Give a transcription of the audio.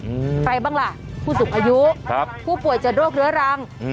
ใครบ้างล่ะผู้สูงอายุครับผู้ป่วยจะโรคเรื้อรังอืม